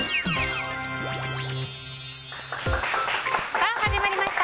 さあ、始まりました。